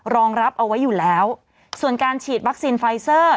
รองรับเอาไว้อยู่แล้วส่วนการฉีดวัคซีนไฟเซอร์